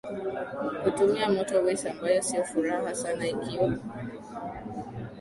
kutumia motorways ambayo sio furaha sana ikiwa